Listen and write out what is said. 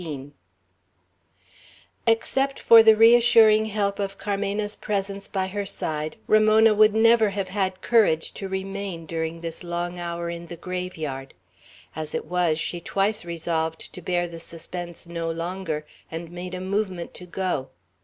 XVIII EXCEPT for the reassuring help of Carmena's presence by her side, Ramona would never have had courage to remain during this long hour in the graveyard. As it was, she twice resolved to bear the suspense no longer, and made a movement to go.